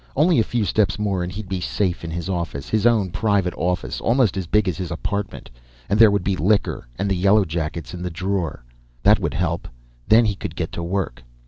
Only a few steps more and he'd be safe in his office, his own private office, almost as big as his apartment. And there would be liquor, and the yellowjackets in the drawer. That would help. Then he could get to work.